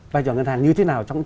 vai trò ngân hàng như thế nào